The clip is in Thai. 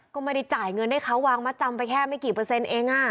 ก็ไม่ได้จ่ายเงินให้เขาวางมัดจำไปแค่ไม่กี่เปอร์เซ็นต์เอง